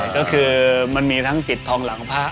ก็คือมันมีทั้งปิดทองหลังผ้า